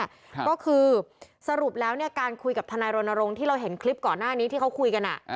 ก็คือสรุปแล้วเนี่ยการคุยกับทนายรณรงค์ที่เราเห็นคลิปก่อนหน้านี้ที่เขาคุยกันอ่ะ